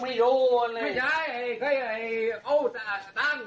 ผู้ชมครับท่าน